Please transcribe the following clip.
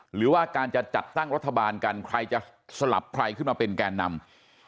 หรือว่าการจะจัดตั้งรัฐบาลกันใครจะสลับใครขึ้นมาเป็นแกนนำ